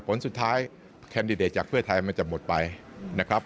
ผลสุดท้ายแคนดิเดตจากเพื่อไทยมันจะหมดไปนะครับ